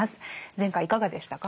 前回いかがでしたか？